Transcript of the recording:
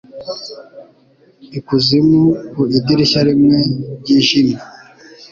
Ikuzimu ku idirishya rimwe ryijimye;